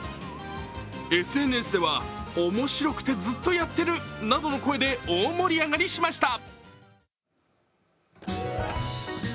ＳＮＳでは面白くてずっとやってるなどの声で大バズりしました。